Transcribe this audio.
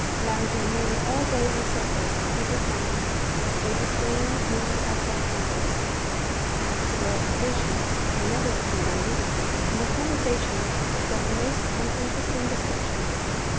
Lounging nearly all day on sofas covered with matting, they disdain mere household matters. As to their education, they never receive any; and their conversation is of the most uninteresting description.